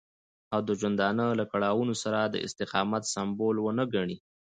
او د ژوندانه له کړاوونو سره د استقامت سمبول ونه ګڼي.